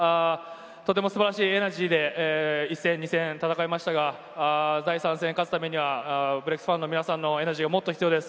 とても素晴らしいエナジーで１戦、２戦を戦いましたが、第３戦、勝ためにはブレックスファンの皆さんのエナジーがもっと必要です。